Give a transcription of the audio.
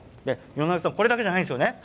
これだけじゃないんですよね。